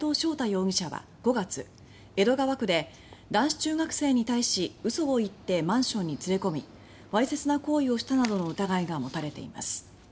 容疑者は５月江戸川区で男子中学生に対しうそを言ってマンションに連れ込みわいせつな行為をしたなどの疑いが持たれています。